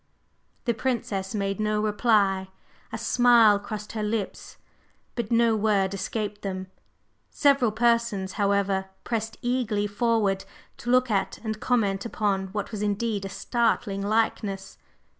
The Princess made no reply. A smile crossed her lips, but no word escaped them. Several persons, however, pressed eagerly forward to look at and comment upon what was indeed a startling likeness.